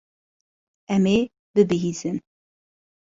Em ê bibihîzin.